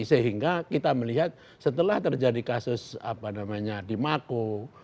sehingga kita melihat setelah terjadi kasus di mako